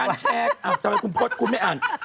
อ้าวจำเป็นคุณพจน์คุณไม่อ่าน